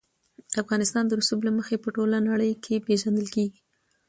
افغانستان د رسوب له مخې په ټوله نړۍ کې پېژندل کېږي.